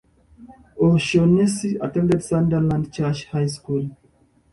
O'Shaughnessy attended Sunderland Church High School.